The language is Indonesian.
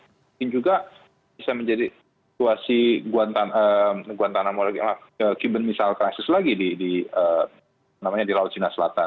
mungkin juga bisa menjadi situasi guantanamo lagi cuban missile crisis lagi di laut cina selatan